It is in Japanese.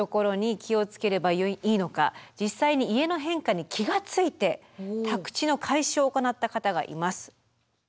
実際に家の変化に気が付いて宅地の改修を行った方がいます。